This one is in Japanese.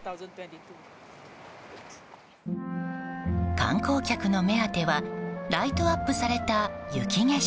観光客の目当てはライトアップされた雪景色。